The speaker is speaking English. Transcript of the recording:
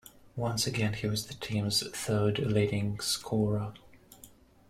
Once again, he was the team's third-leading scorer.